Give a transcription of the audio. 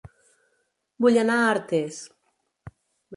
Vull anar a Artés